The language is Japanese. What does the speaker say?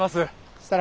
設楽